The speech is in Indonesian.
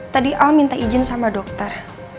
tadi al minta izin sama dokter